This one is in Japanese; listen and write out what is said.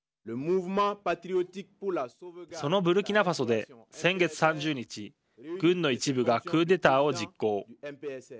そのブルキナファソで先月３０日軍の一部がクーデターを実行。